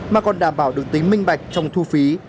mà còn đảm bảo được tính minh bạch trong thu phí